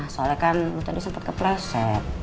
soalnya kan lu tadi sempet kepreset